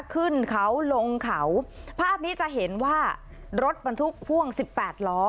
ขึ้นเขาลงเขาภาพนี้จะเห็นว่ารถบรรทุกพ่วงสิบแปดล้อ